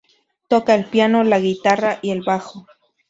Toca el piano, la guitarra y el bajo.